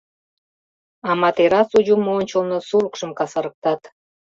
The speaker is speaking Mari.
Аматерасу юмо ончылно сулыкшым касарыктат.